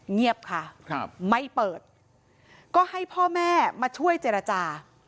เงียบค่ะไม่เปิดก็ให้พ่อแม่มาช่วยเจรจา